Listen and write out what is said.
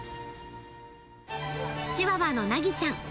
チワワのなぎちゃん。